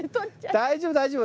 大丈夫大丈夫。